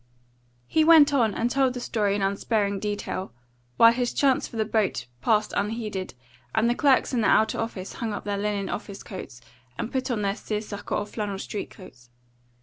He went on, and told the story in unsparing detail, while his chance for the boat passed unheeded, and the clerks in the outer office hung up their linen office coats and put on their seersucker or flannel street coats.